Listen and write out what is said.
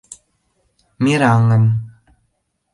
— Мераҥым.